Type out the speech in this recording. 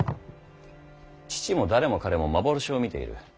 父も誰も彼も幻を見ている。